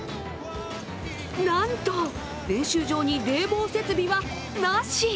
なんと、練習場に冷房設備はなし。